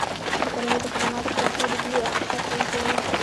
د کرنیزو خدماتو پراختیا د کلیو اقتصاد قوي کوي.